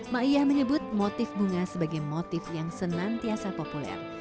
ma'iyah menyebut motif bunga sebagai motif yang senantiasa populer